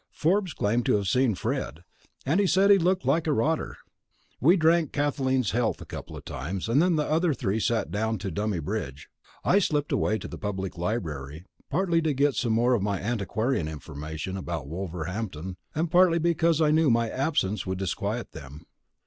Forbes claimed to have seen Fred, and said he looked like a rotter. We drank Kathleen's health a couple of times, and then the other three sat down to dummy bridge. I slipped away to the Public Library, partly to get some more of my antiquarian information about Wolverhampton, and partly because I knew my absence would disquiet them.